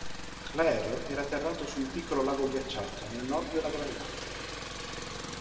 L'aereo era atterrato su un piccolo lago ghiacciato, nel nord della Groenlandia.